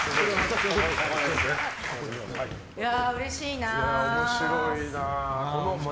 うれしいな。